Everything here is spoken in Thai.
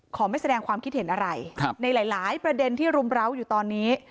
ไม่แสดงความคิดเห็นอะไรในหลายประเด็นที่รุมร้าวอยู่ตอนนี้